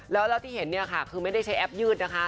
แล้วที่เห็นเนี่ยค่ะคือไม่ได้ใช้แอปยืดนะคะ